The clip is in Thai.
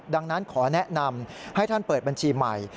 ดังนั้นขอแนะนำให้ท่านเปิดบัญชีใหม่